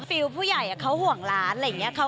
ฟิลล์ผู้ใหญ่เขาห่วงร้านอะไรอย่างนี้